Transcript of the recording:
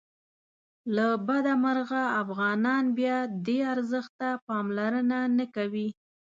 له بده مرغه افغانان بیا دې ارزښت ته پاملرنه نه کوي.